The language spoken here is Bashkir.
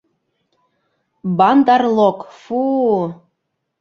Бандар-лог — фу-у!